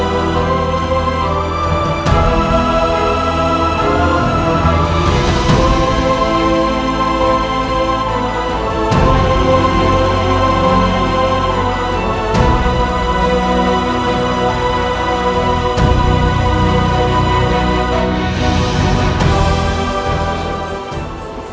kami akan selalu memperbaiki kemampuan ndak tersebut